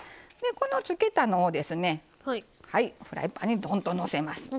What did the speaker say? つけたのをフライパンにドンと、のせます。